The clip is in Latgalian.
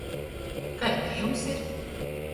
Kaidi jums ir?